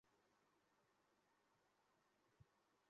আমি জানি তুমি কে।